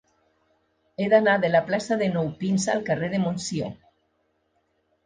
He d'anar de la plaça de Nou Pins al carrer de Montsió.